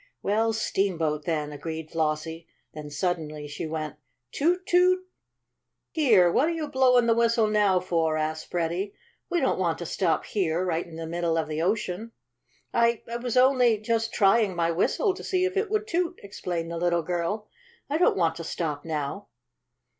"Well, steamboat, then," agreed Flossie. Then she suddenly went: "Toot! Toot!" "Here! what you blowin' the whistle now for?" asked Freddie. "We don't want to stop here, right in the middle of the ocean." "I I was only just trying my whistle to see if it would toot," explained the little girl. "I don't want to stop now."